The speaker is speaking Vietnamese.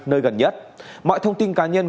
nơi gần nhất mọi thông tin cá nhân